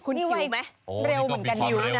คุณชิวไหมเร็วเหมือนกันอยู่นะ